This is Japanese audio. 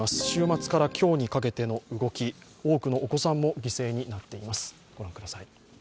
週末から今日にかけての動き、多くのお子さんも犠牲になっています。